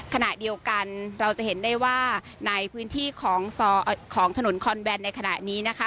ขณะเดียวกันเราจะเห็นได้ว่าในพื้นที่ของถนนคอนแบนในขณะนี้นะคะ